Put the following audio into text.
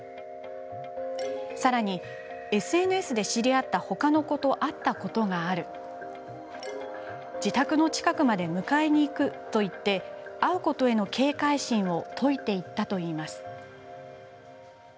さらにＳＮＳで知り合ったほかの子と会ったことがある自宅の近くまで迎えに行くと言って会うことへの警戒心を解いていったというのです。